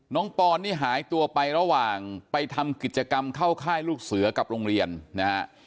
ปอนนี่หายตัวไประหว่างไปทำกิจกรรมเข้าค่ายลูกเสือกับโรงเรียนนะฮะ